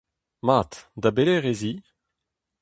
Mat, da belec'h ez i ?